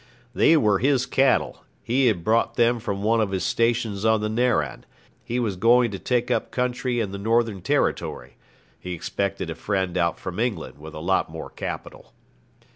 'They were his cattle; he had brought them from one of his stations on the Narran. He was going to take up country in the Northern Territory. He expected a friend out from England with a lot more capital.'